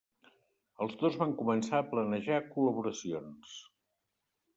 Els dos van començar a planejar col·laboracions.